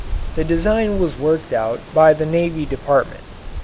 The design was worked out by the Navy Department.